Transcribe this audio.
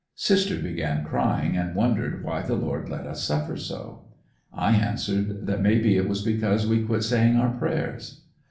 Sister began crying and wondered why the Lord let us suffer so? I answered that may be it was because we quit saying our prayers.